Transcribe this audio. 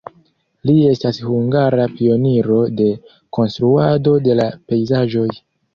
Li estas hungara pioniro de konstruado de la pejzaĝoj.